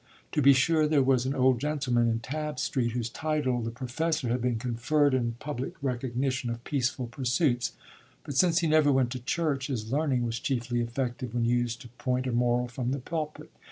To be sure, there was an old gentleman in Tabb Street whose title, "the professor," had been conferred in public recognition of peaceful pursuits; but since he never went to church, his learning was chiefly effective when used to point a moral from the pulpit.